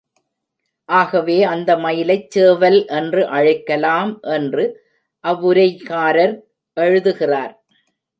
ஆகவே அந்த மயிலைச் சேவல் என்று அழைக்கலாம் என்று அவ்வுரைகாரர் எழுதுகிறார்.